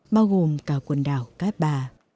bao gồm cả quần đảo cát bà